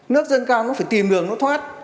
nước dân cao nó phải tìm đường nó thoát